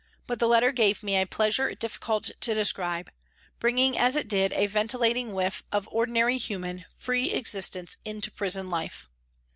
But the letter gave me a pleasure difficult to describe, bringing, as it did, a ventilating whiff of ordinary human, free existence into prison life.